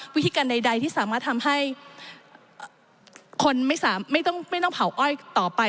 วิธีการใดที่สามารถทำให้คนไม่ต้องเผาอ้อยต่อไป